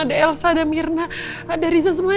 ada elsa ada mirna ada riza semuanya